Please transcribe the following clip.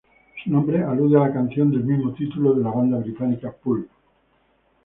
Su nombre alude a la canción del mismo título de la banda británica Pulp.